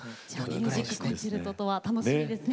ミュージックコンチェルトとは楽しみですね。